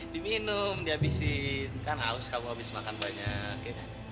diminum diabisin kan aus kamu abis makan banyak